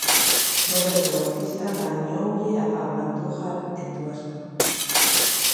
Roberto Bautista gañoulle a Pablo Andújar en dúas mangas.